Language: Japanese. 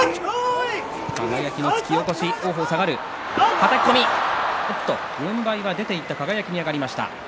はたき込み軍配は出ていった輝に上がりました。